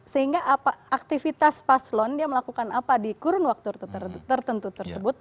sehingga aktivitas paslon dia melakukan apa di kurun waktu tertentu tersebut